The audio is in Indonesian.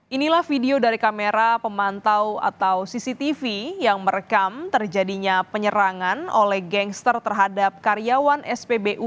inilah video dari kamera pemantau atau cctv yang merekam terjadinya penyerangan oleh gangster terhadap karyawan spbu